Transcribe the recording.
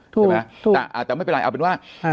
ถูกถูกอ่าแต่ไม่เป็นไรเอาเป็นว่าอ่า